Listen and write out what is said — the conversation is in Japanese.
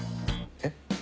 えっ？